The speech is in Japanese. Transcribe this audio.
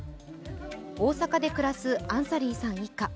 大阪で暮らすアンサリーさん一家。